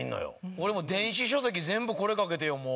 俺もう電子書籍全部これかけて読もう。